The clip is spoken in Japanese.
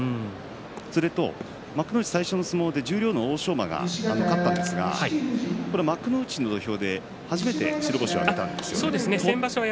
それと幕内最初の相撲で十両の欧勝馬が勝ちましたが幕内の土俵で初めて白星を挙げたんです。